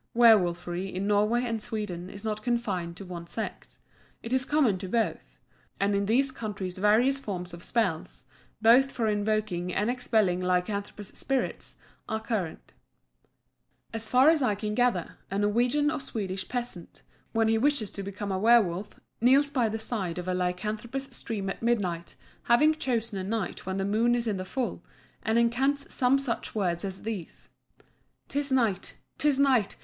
Werwolfery in Norway and Sweden is not confined to one sex; it is common to both; and in these countries various forms of spells, both for invoking and expelling lycanthropous spirits, are current. As far as I can gather, a Norwegian or Swedish peasant, when he wishes to become a werwolf, kneels by the side of a lycanthropous stream at midnight, having chosen a night when the moon is in the full, and incants some such words as these: "'Tis night! 'tis night!